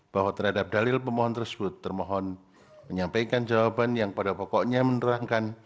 bahwa terhadap dalil pemohon tersebut termohon menyampaikan jawaban yang pada pokoknya menerangkan